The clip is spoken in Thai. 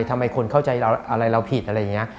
ทำไมคนเข้าใจอะไรเราผิดอะไรอย่างนี้